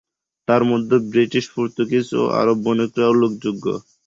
তারমধ্যে British, Portuguese ও আরব বণিকরা উল্লেখযোগ্য।